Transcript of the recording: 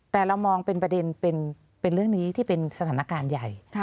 แต่เรามองเป็นประเด็นเป็นเรื่องนี้ที่เป็นสถานการณ์ใหญ่